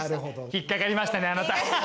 引っ掛かりましたねあなた。